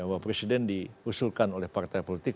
bahwa presiden diusulkan oleh partai politik